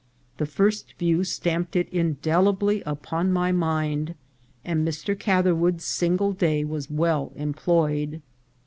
The first view stamped it indelibly upon my mind, and Mr. Catherwood's single day was well em ployed.